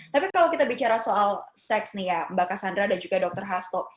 tapi kalau kita bicara soal seks nih ya mbak cassandra dan juga dr hasto